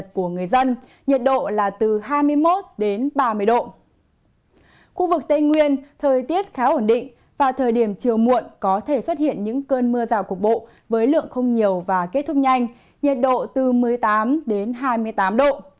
khu vực tây nguyên thời tiết khá ổn định và thời điểm chiều muộn có thể xuất hiện những cơn mưa rào cục bộ với lượng không nhiều và kết thúc nhanh nhiệt độ từ một mươi tám hai mươi tám độ